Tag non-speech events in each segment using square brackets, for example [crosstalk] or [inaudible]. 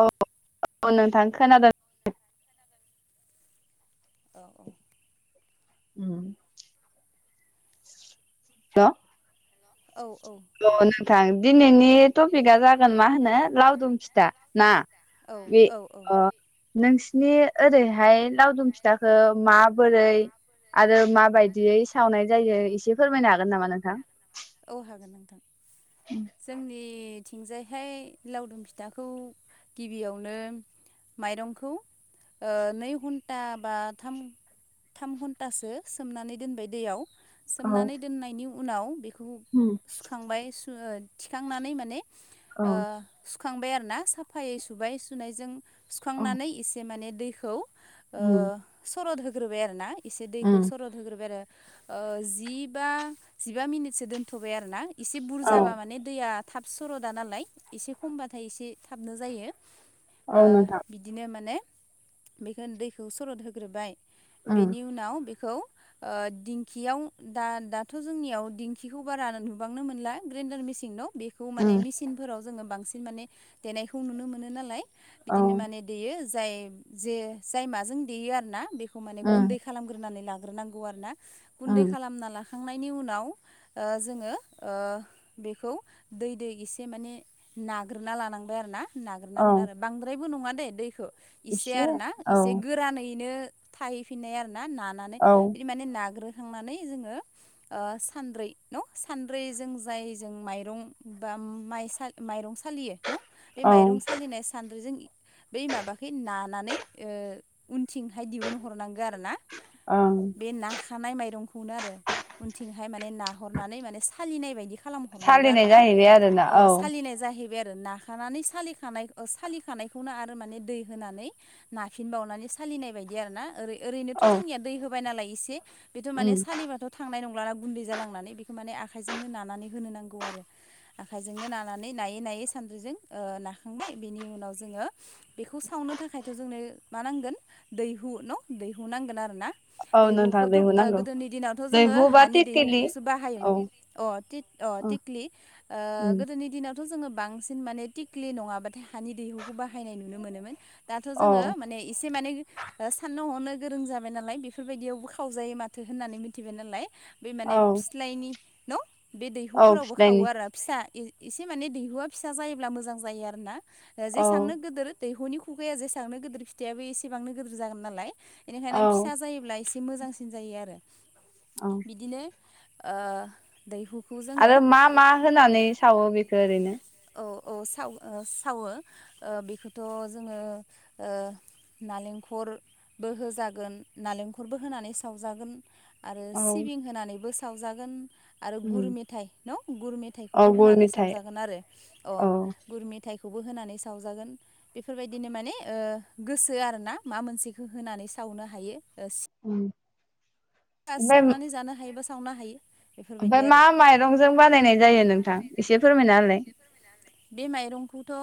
औ -औ नोंथां खोनादों औ -औ उ हेल ' औ औ नोंथां दिनैनि टपिकआ जागोन मा होनो लावदुम फिथा ना बे औ औ औ नोंसिनि ओरै हाय लावदुम फिथाखौ माबोरै आरो माबायदियै सावनाय जायो एसे फोरमायनो हागोन नामा नोंथां जोंनि थिंजायहाय लावदुम फिथाखौ गिबियावनो माइरंखौ ओ नै घन्टा बा थाम घन्टासो सोमनानै दोनबाय दैयाव। औ सोमनानै दोननायनि उनाव बेखौ उम सुखांबाय थिखांनानै माने औ सुखांबाय आरोना साफायै सुबाय सुनायजों सुखांनानै एसे माने दैखौ उम सरद होग्रोबाय आरो ना। एसे दैखौ उम सरद होग्रोबाय आरो जिबा जिबा मिनिटसो दोनथ'बाय आरो ना। एसे औ बुरजाबा माने दैया थाब सर'दा नालाय एसे खमबाथाय एसे थाबनो जायो। औ नोंथां बिदिनो माने बेखौ दैखौ सरद होग्रोबाय उम बेनि उनाव बे खौ दिंखियाव दाथ' जोंनियाव दिंखिखौ बारा नुबांनो मोनला ग्रेनदार मिसिनाव बेखौ उम माने मेसिनफोराव जोङो बांसिन माने देनायखौ नुनो मोनो नालाय। औ बिदिनो माने देयो जाय जे जाय माजों देयो आरो ना बे खौ माने उम गुन्दै खालामग्रोनानै लाग्रोनांगौ आरोना उम गुन्दै खालामना लाखांनायनि उनाव ओ जोङो बेखौ दै दै एसे माने नाग्रोना लानांबाय आरो ना। औ नाग्रोनांगोन आरो बांद्रायबो नङा दे दैखौ इसे एसे आरानैनो औ एसे गोरानैनो। थाहैफिननाय आरो ना नानानै औ बिदि माने नाग्रोखांनानै जोङो ओ सानद्रै न? सानद्रै जों जाय जों माइरं बा माइ सा माइरं सालियो न? बे औ माइरं सालिनाय सान्द्रिजों बै माबा नानानै ओ उन थिंहाय दिहुन हरनांगो आरो ना। ओं बे नााखानाय माइरंखौ नो आरो उनथिंहाय माने नाहरनानै माने सालिनाय बायदि खालामहरनांगौ सालिनाय आरोना जाहैबाय आरोना अ औ सालिनाय जाहैबाय नाखानानै सालि सालिखानायखौनो आरो मान दै होनानै नाफिन बावनानै सालिनाय बायदि आरो ना ओरै ओरैनोथ' औ जोंनिया दै होबाय नालाय एसे बेथ' माने उम सालिबाथ' थांनाय नङ गुन्दै जालांनानै बिखो माने आखायजोंनो नानानै होनो नांगौ आरो आखायजोंनो नानानै नायै नायै सानद्रिजों नाखांबाय बिनि उनाव जोङो बेखौ सावनो थाखायथ' जोंनो मा नांगोन दैहु न' दैहु नांगोन आरो ना। औ नोंथां दैहुखौथ' दैहु नांगौ गोदोनि दिनावथ' जोङो दैहु बा हानि तेकेलि दैहुखौसो औ बाहायोमोन अ थि अ थेकलि गोदोनि दिनाव थ' जोङो बांसिन माने टिकलि नङाबाथाय हानि दैहुखौ बाहायनाय नुनो मोनोमोन। दाथ' जोङो औ माने एसे माने साननो हनो गोरों जाबाय नालाय बेफोरबायदियावबो खावजायो माथो होननानै मिथिबाय नालाय बे माने औ फिस्लायनि न' बे औ दैहुफोरावबो खावो फिथ्लायनि आरो फिसा एसे माने दैहुा फिसा जायोब्ला मोजां जायो आरो ना औ जेसांनो गिदोर दैहुनि खुखाया जेसांनो गिदिर फिथाइयाबो एसेबांनो गोदोर जागोन नालाय औ बेनिखायनो फिसा जायोब्ला एसे एसे मोजांसिन जायो आरो औ बिदिनोओ ओ दैहु आरो मा मा होनानै सावो बेखौ ओरैनो? औ औ साव-सावो ओ बेखौथ' जोङो ओ नालेंखरबो होजागोन नालेंखरबो होनानै सावजागोन। आरो औ सिबिं होनानैबो सावजागोन। आरो गुर मेथाइ न? गुर औ मेथाइखौबो गुर होनानै मेथाइ सावजागोन आरो अ औ गुर मेथाइ खौबो होनानै सावजागोन। बेफोरबायदिनो माने ओ गोसो आरो ना मा मोनसेखो होनानै सावनो हायो। ओ ओं। सावनानै जानो हायोबा सावनो हायो बेफोरबायदि ओमफाय मा आरो माइरंजों बानायनाय जायो नोंथां एसे फोरमायना होलाय? बे माइरंखौथ'ओ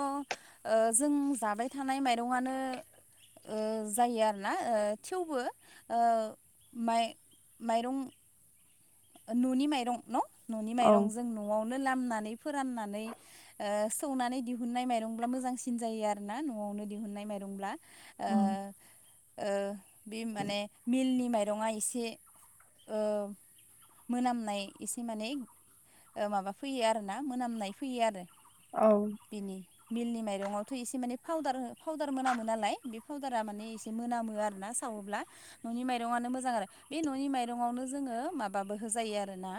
जों जाबाय थानाय माइरंआनो ओ जायो आरोना ओ थेवबो ओ माइ माइरं न'नि माइरं न न'नि औ माइरं जों न'आवनो लामनानै फोराननानै ओ सौनानै दिहुननाय माइरंब्ला मोजांसिन जायो आरोना नवावनो दिहुननाय माइरंब्ला ओ ओ बे माने मिलनि माइरंआ एसे ओ मोनामनाय एसे माने ओ माबा फैयो आरोना मोनामनाय फैयो आरो। औ। बिनि मिलनि माइरंआवथ' एसे माने पाउदार पाउदार मोनामो नालाय बे पाउदारा माने एसे मोनामो आरो ना। सावोब्ला ननि माइरं आनो मोजां आरो बे ननि माइरंआवनो जोङो बाबो होजायो आरोना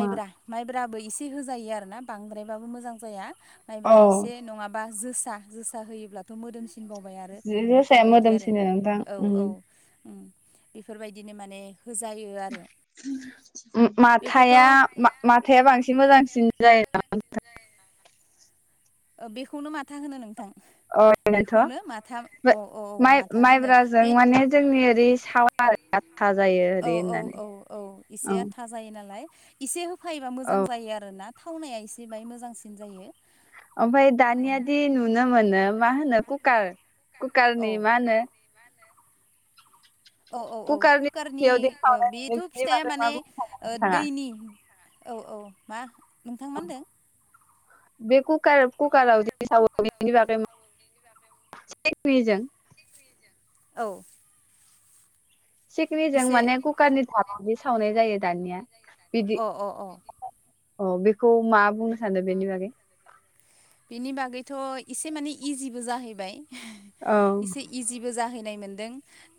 मा माइब्रा दाबो एसे होजायो आरोना बांद्रायबाबो मोजां जाया औ माइब्रा एसे नङाबा जोसा जोसा होयोब्लाथ' मोदोमसि थिनबावबाय आरो जोसाया बेफोरबायदि आरो मोदोमसिनो नोंथां औ औ बेफोरबायदिनो माने होजायो आरो। बेखौथ' माथाया-माथाया बांसिन मोजांसिन जायो नामा नोंथां? [inaudible] बेखौनो माथा होनो नोंथां। अनोथ' बेखौनो माथा अ अ औ माइ माथा होनो माइब्राजों बे माने जोंनि ओरै साव औ औ औ औ इसे औ आथा जायो नालाय इसे होफायोबा मोजां जायो आरोना थावनाया एसे बाहाय मोजांसिन जायो। ओमफ्राय दानि आदि नुनो मोनो मा होनो कुकार कुकारारनि औ मा होनो औ औ औ कुकारनि साख्रियावदि सावनाय बेथ' नुयो ओ बिनि फिथाया बागै मा माने बुंनो सानो नोंथाङा दैनि औ औ मा नोंथां मा होनदों? बे कुकार कुकारराव बेनि बागै [unintelligible] चेकनिजों औ सिकनिजों एसे माने कुकार नि भाबवावदि सावनाय जायो दानिया बिदि अ अ अ अ बेखौ मा बुंनो सानदों बेनि बागै? बेनि बागैथ' एसे माने इजिबो जाहैबाय औ एसे इजिबो जाहै मोनदों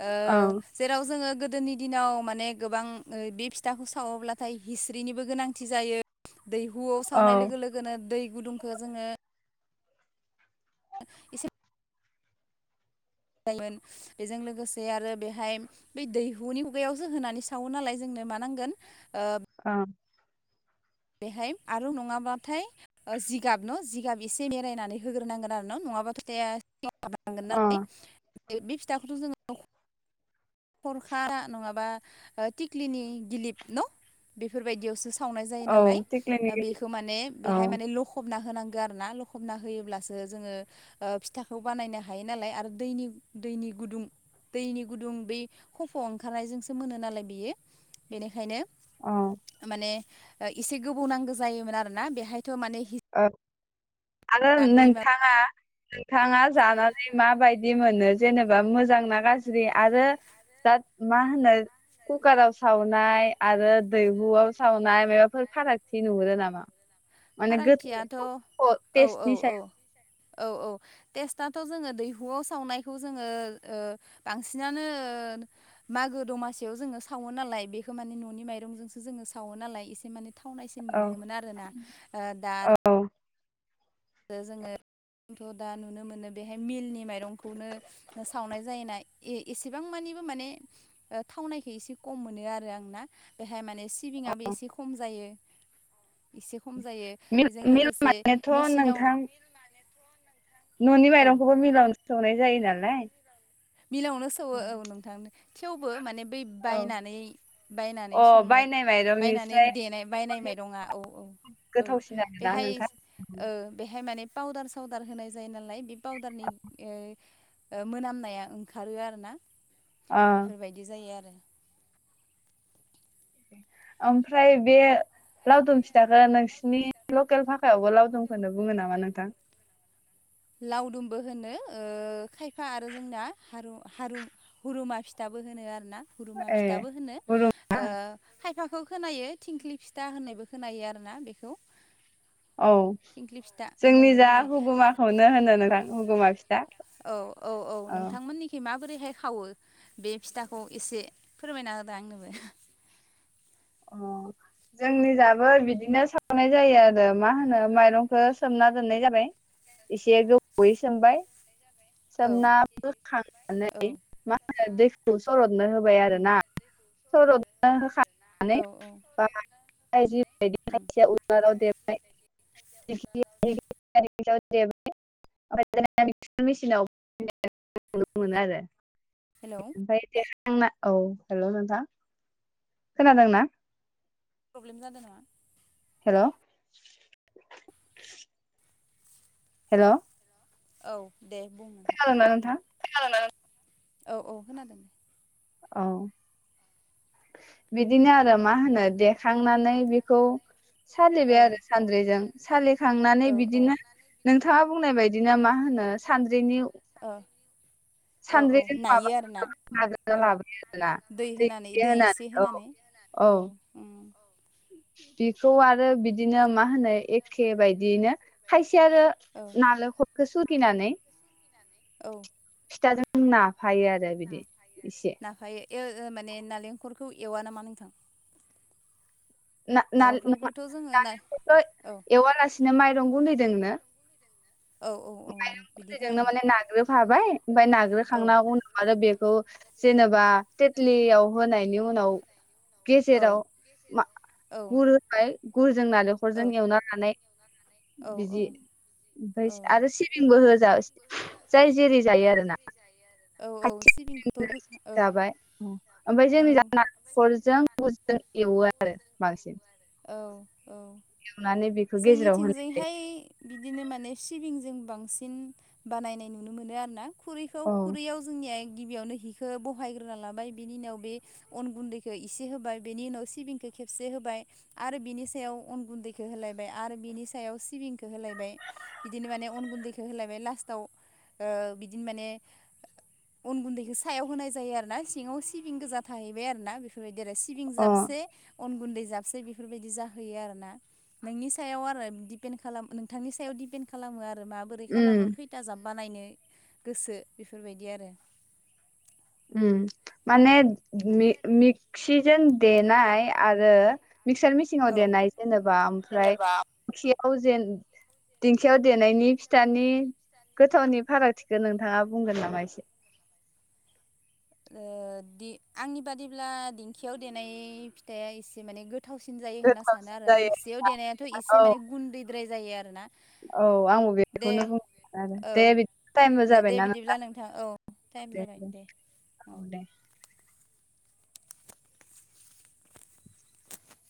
ओ औ जेराव जोङो गोदोनि दिनाव माने गोबां बे फिथाखौ सावोब्लाथाय हिस्रिनिबो गोनांथि जायो गो दैहुआव औ सावनाय लोगो लोगोनो दै गुदुंखो जोङो एसे जायोमोन बेजों लोगोसे आरो बेहाय बै दैहुनि खुगायावसो होनानै सावो नालाय जों मा नांगोन ओ औ बेहाय आरो नङाबाथाय ओ जिगाब न' जिगाब एसे मेरायनानै होग्रोनांगोन आरो न' नङाबाथ' द अ [unintelligible] बे फिथाखौथ' जोङो खरखा नङाबा थिक्लिनि गिलिप न' बेफोरबायदियावसो सावनाय जायो औ नालाय थिख्लिनि बेखो माने औ बेहाय माने लखबना होनांगो आरोना लखबना होयोब्लासो जोङो ओ फिथाखौ बानायनो हायोनालाय दैनि दैनि गुदुं दैनि गुदुं बै खफ' ओंखारनायजोंसो मोनो नालाय बियो बेनिखायनो औ माने एसे गोबौ नांगौ जायोमोन आरोना बेहायथ' माने औ आरो हिसा बै माबा नोंथाङा नोंथाङा जानानै माबायदि मोनो जेनेबा मोजां ना गाज्रि आरो दा मा होनो कुकाराव सावनाय आरो दैहुआव सावनाय माबाफोर फाराग थि नुहुरो नामा? माने गो फारागथियाथ' औ औ औ औ औ। टेस्थ'थ जोङो दैहुआव सावनायखौ जोङो बांसिनानो ओ मा मागो दमासियाव जोङो सावो नालाय बेखौ माने न'नि माइरंजोंसो जोङो सावो नालाय एसे माने थावनाय औ मोनोमोन आरोना ओ दा आ औ रो जोङो आंथ' दा नुनो मोनो बेहाय मिलनि माइरंखौनो सावनाय जायोना ए-एसेबां मानि माने ओ थावनायखौ एसे खम मोनो आरो आंना बेहाय माने सिबिङाबो एसे खम जा यो [inaudible] एसे खम जायो बेजों लोगोसे मेसि थां न'नि औ माइरंखौबो मिलावनो सौनाय जायो नालाय मिलावनो सौवो औ नोंथांनो थेवबो माने बै औ बायनानै बायनानै अ संनाय बायनाय बायनानै माइरंनिस्राय देनाय बायनायनाय माइरंआ औ औ औ गोथावसिन आरोना बेहाय नोंथां ओ बेहाय माने पाउदार सावदार होनाय जायो नालाय बे पाउदारनि ओ ओ मोनामनाया ओंखारो आरो ना अ बेफोरबायदि जायो आरो ओमफ्राय बे लावदुम फिथाखो नोंसिनि लकेल भाखायावबो लावदुमखौनो बुङो नामा नोंथां लावदुमबो होनो ओ खायफा आरो जोंना हारु हारू हुरुमा फिथा बो होनो आरो ना हुरुमा ए फिथाबो बुङो हुरुम ओ खाय फाखौ खोनायो थिंख्लि फिथा होननायबो खोनायो आरो ना बेखौ औ थिंख्लि फिथा जोंनि होननायबो जा खोनायो हुगुमाखौनो होनो नोंथां हुगुमा फि औ औ औ नोंथांमोननिखि मा बोरैहाय खावो बे फिथाखौ एसे फोरमायना होदों आंनोबो अ जोंनिजाबो बिदिनो सावनाय जायो आरो मा होनो माइरंखो सोमना दोननाय जाबाय एसे गोबौवै सोमबाय औ सोमना बोखांनानै मा होनो दैखौ सर'त नो होबाय आरो उम ना सर'दनो होखां नानै औ औ बा बायदि उम बायदिया उनालाव दे बाय खायफाया दिंखियाव देबाय माने [unintelligible] मिसिंआवबो देनाय नुनो मोनो आरो हेलौ ओमफ्राय देखांना औ हेल' नोंथां खोनादोंना? प्रब्लेम जादों नामा? हेलौ हेलौ औ दे बुं नोंथां औ औ खोनादों औ बिदिनो आरो मा होनो देखांनानै बेखौ औ सालिबाय आरो सानद्रिजों सालिखांनानै औ बिदिनो नोंथाङा बुंनाय बाय दिनो मा होनो सानद्रिनि ओ औ नायो आरो ना नाग्रोना ओ लाबोयो आरोना दै होनानै दै एसे औ होनानै औ उम बेखौ आरो बिदिनो मा होनो एखे बायदियैनो खाय सेआरो औ नालेखरखौ सुगिनानै औ फिथाजों नाफायो आरो बिदि एसे नाफायो ओ ओ माने नालेंखरखौ एवा नामा नोंथां नालेंखरखौथ' जोङो ना ना-ना-ना-नालेंखरखो औ एवालासिनो माइरं गुन्दैदोंनो औ औ औ बिदि खालामो हाबाय ओमफ्राय औ नाग्रोखांना उनाव आरो बेखौ जेन बा थेथलियाव होनायनि उनाव औ गेजेराव मा औ गुर होबाय गुर जों नालेंखरजों एवना लानाय औ औ बिदि ओमफ्राय आरो सिबिंबो होजायो जाय जेरै जायो आरो ना। औ औ सिबिंखौथ' होखा औ जाबाय ओमफ्राय जोंनि नारेंखरजों एवो आरो बांसिन। औ औ एवनानै बेखौ गेजेराव होनाय जायो जोंनिथिंजैहाय बिदिनो माने सिबिं जों बांसिन बानायनाय नुनो मोनो आरो ना खुरैखौ औ खुरैयाव जोंनिया गिबियावनो हिखो बहायग्रोना लाबाय बेनि उनाव बे अन गुन्दैखौ इसे होबाय बेनि उनाव सिबिंखौ खेबसे होबाय आरो बिनि सायाव अन गुन्दैखौ होलाय बाय आरो बिनि सायाव सिबिंखो होलायबाय बिदिनो माने अन गुन्दैखो होलायबाय लास्टाव ओ बिदिनो माने अन गुन्दैखो सायाव होनाय जायो आरो ना सिङाव सिबिं गोजा थाहैबाय आरो ना बेफोरबायदि जेरै सिबिं अ जाबसे अन गुन्दै जाबसेै बेफोरबायदि जाहैयो आरो ना। नोंनि सायाव आरो दिपेन खालाम नोंथांनि सायाव दिपेन्ड खालामो आरो माबोरै उम खालामो खैथा जाब बानायनो गोसो बेफोरबायदि आरो। उम माने मि-मिक क्सिजों देनाय आरो मिक्सार मेचिनाव औ देनाय जेनेबा ओमफ्राय [unintelligible] खियाव जेन दिंखियाव देनायनि फिथानि गोथावनि फारागथिखौ नोंथाङा बुंगोन नामा एसे। ओ आंनि बादिब्ला दिंखियाव देनाय फिथाइया एसे माने गो थावसिन जायो होनना सानो गोथावसिन आरो जायो मिक्सियाव देनायाथ' एसे औ माने गुन्दैद्राय जायो आरो ना। औ आंबो बेखौनो बुं आरो औ दे बिदिनो टाइमबो दे जाबायना बिदिब्ला नोंथां। औ टाइम जाबाय दे औ दे